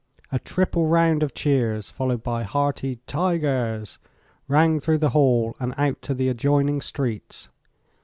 A triple round of cheers, followed by hearty "tigers," rang through the hall and out to the adjoining streets.